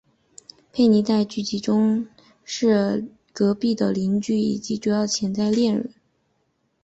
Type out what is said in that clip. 佩妮在剧集里是伦纳德隔壁的邻居以及主要的潜在恋人。